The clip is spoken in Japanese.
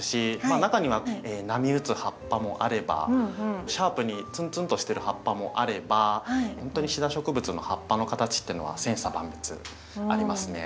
あ中には波打つ葉っぱもあればシャープにツンツンとしてる葉っぱもあればほんとにシダ植物の葉っぱの形っていうのは千差万別ありますね。